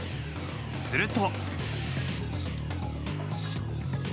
すると。